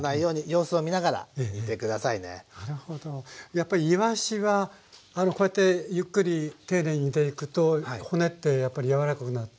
やっぱりいわしはこうやってゆっくり丁寧に煮ていくと骨ってやっぱり柔らかくなる？